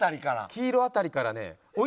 黄色辺りからね。